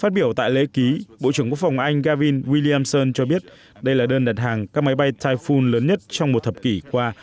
phát biểu tại lễ ký bộ trưởng quốc phòng anh gavin williamson cho biết đây là đơn đặt hàng các máy bay phun lớn nhất trong một thập kỷ qua